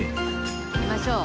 行きましょう。